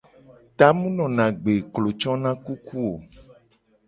Ta mu nona agbe, klo cona kuku o.